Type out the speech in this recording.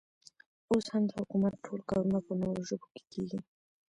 اوس هم د حکومت ټول کارونه په نورو ژبو کې کېږي.